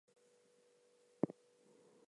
I am indebted to my late friend W. Robertson Smith.